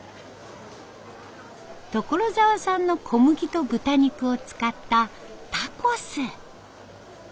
所沢産の小麦と豚肉を使ったタコス。